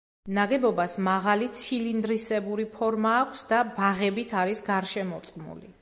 ნაგებობას მაღალი ცილინდრისებური ფორმა აქვს და ბაღებით არის შემორტყმული.